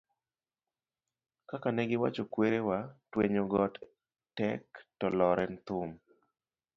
kaka ne giwacho kwarewa, twenyo got tek to lor en thum